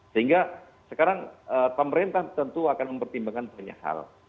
sehingga sekarang pemerintah tentu akan mempertimbangkan banyak hal